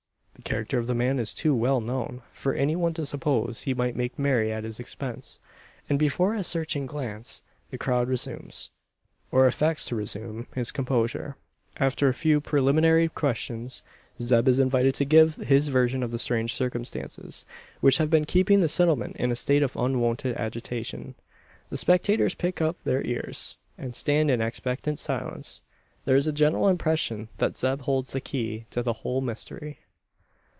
The character of the man is too well known, for any one to suppose he might make merry at his expense; and before his searching glance the crowd resumes, or affects to resume, its composure. After a few preliminary questions, Zeb is invited to give his version of the strange circumstances, which, have been keeping the Settlement in a state of unwonted agitation. The spectators prick up their ears, and stand in expectant silence. There is a general impression that Zeb holds the key to the whole mystery.